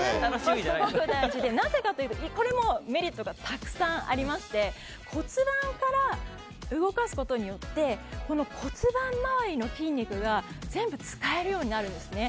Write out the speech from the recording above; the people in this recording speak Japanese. これもメリットがたくさんありまして骨盤から動かすことによって骨盤周りの筋肉が全部使えるようになるんですね。